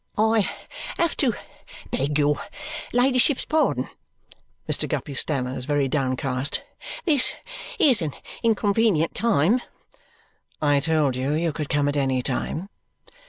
"I have to beg your ladyship's pardon," Mr. Guppy stammers, very downcast. "This is an inconvenient time " "I told you, you could come at any time."